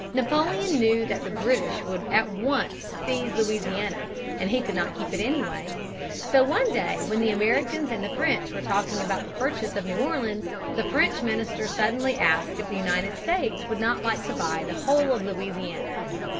Napoleon knew that the British would at once seize Louisiana and he could not keep it anyway. So one day, when the Americans and the French were talking about the purchase of New Orleans, the French minister suddenly asked if the United States would not like to buy the whole of Louisiana.